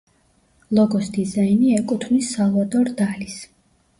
ლოგოს დიზაინი ეკუთვნის სალვადორ დალის.